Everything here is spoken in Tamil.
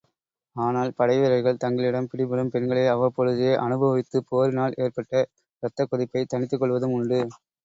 ஆனால், படைவீரர்கள் தங்களிடம் பிடிபடும் பெண்களை அவ்வப்பொழுதே அனுபவித்துப் போரினால் எற்பட்ட இரத்தக் கொதிப்பைத் தணித்துக் கொள்வதும் உண்டு.